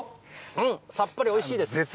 さっぱりおいしいです。